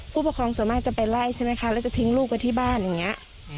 ผู้ปกครองส่วนมากจะไปไล่ใช่ไหมคะแล้วจะทิ้งลูกไว้ที่บ้านอย่างนี้